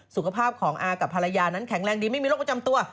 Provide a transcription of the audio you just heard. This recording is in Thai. สุขภาพของอากับภรรยานั้นแข็งแรงดีไม่มีโรคประจำตัว